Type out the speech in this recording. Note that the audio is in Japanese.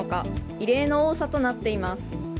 異例の多さとなっています。